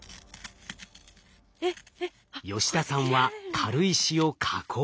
吉田さんは軽石を加工。